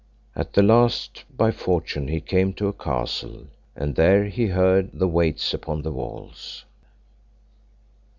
At the last by fortune he came to a castle, and there he heard the waits upon the walls.